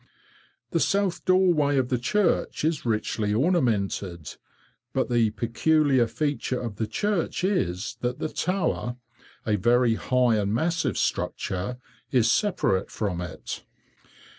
The south doorway of the church is richly ornamented, but the peculiar feature of the church is that the tower, a very high and massive structure, is separate from it.